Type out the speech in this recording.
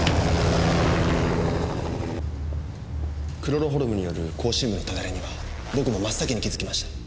クロロホルムによる口唇部のただれには僕も真っ先に気づきました。